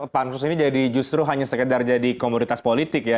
pansus ini jadi justru hanya sekedar jadi komoditas politik ya